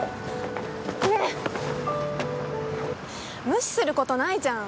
無視することないじゃん。